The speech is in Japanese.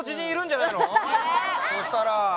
そしたら。